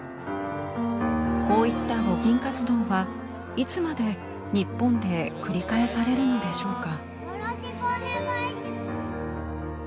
こういった募金活動はいつまで日本で繰り返されるのでしょうか。